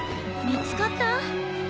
見つかった？